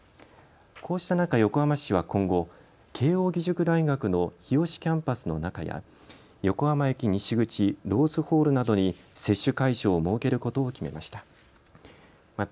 こうした中、横浜市は今後、慶応義塾大学の日吉キャンパスの中や横浜駅西口ローズホールなどに接種会場を設けることを決めました。